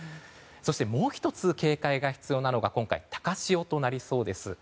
今回もう１つ、警戒が必要なのが高潮となりそうです。